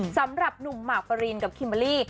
สำหรับหนุ่มมากฟารินกับคิมบอลลี่